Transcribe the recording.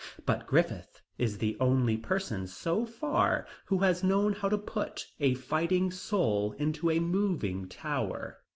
But Griffith is the only person so far who has known how to put a fighting soul into a moving tower.